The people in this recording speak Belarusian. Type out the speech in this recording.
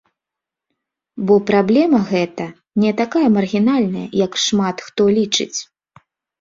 Бо праблема гэта не такая маргінальная, як шмат хто лічыць.